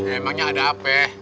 emangnya ada apa